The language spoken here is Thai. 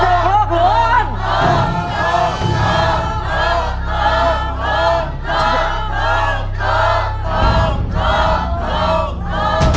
ถูกไม่ถูกลูกหลวน